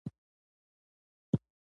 جګړه له شله پیل شوه او په جنوب کې سخته وه.